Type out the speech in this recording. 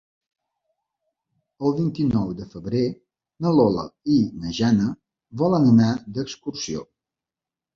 El vint-i-nou de febrer na Lola i na Jana volen anar d'excursió.